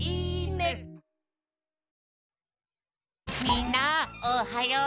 みんなおはよう！